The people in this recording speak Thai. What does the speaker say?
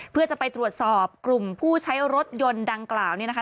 เพื่อจะไปตรวจสอบกลุ่มผู้ใช้รถยนต์ดังกล่าวเนี่ยนะคะ